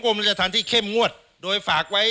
มันจะทานที่เข้มงวดโดยฝากไว้